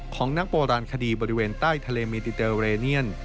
ของนักโบราณคดีบริเวณใต้ทะเลมีติเตอร์เรเนียน